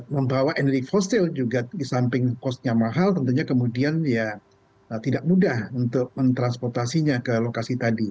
membawa energi fosil juga di samping costnya mahal tentunya kemudian ya tidak mudah untuk mentransportasinya ke lokasi tadi